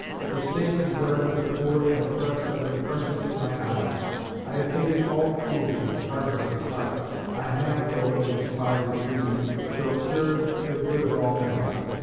The state and bread of the poor and oppressed have been precious in my eyes: I have hated all cruelty and hardness of heart; I have (though in a despised weed) procured the good of all men.